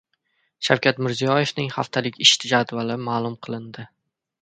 Shavkat Mirziyoyevning haftalik ish jadvali ma’lum qilindi.